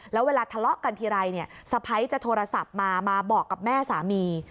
แล้วเวลาทะเลาะกันทีไรเนี่ยสะพ้ายจะโทรศัพท์มามาบอกกับแม่สามี